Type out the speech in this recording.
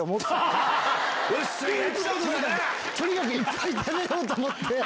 とにかくいっぱい食べようと思って。